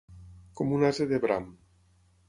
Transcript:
Com un ase de bram.